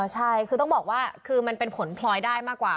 ใช่คือต้องบอกว่าคือมันเป็นผลพลอยได้มากกว่า